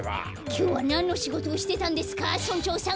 きょうはなんのしごとをしてたんですか村長さん。